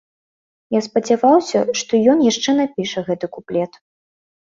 Я спадзяваўся, што ён яшчэ напіша гэты куплет.